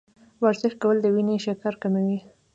ورزش کول د وینې شکر کموي.